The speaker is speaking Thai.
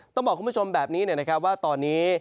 ต้องบอกคุณผู้ชมแบบนี้นะครับว่าตอนนี้